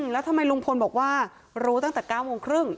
แล้วทำไมลุงพลบอกว่ารู้ตั้งแต่๙โมงครึ่ง